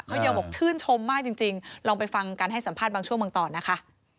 เขายังบอกชื่นชมมากจริงลองไปฟังการให้สัมภาษณ์บางช่วงบางตอนนะคะ